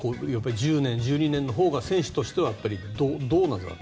１０年、１２年のほうが選手としてはどうなんですか。